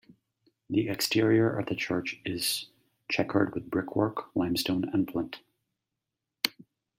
The exterior of the church is chequered with brickwork, limestone and flint.